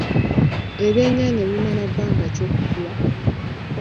Ebyennyanja bimala bbanga ki okukula?